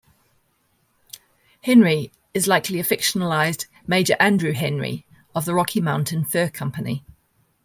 Henry is likely a fictionalized Major Andrew Henry of the Rocky Mountain Fur Company.